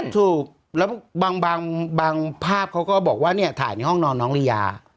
ถูกแล้วบางภาพเขาก็บอกว่าเนี่ยถ่ายในห้องนอนน้องลียา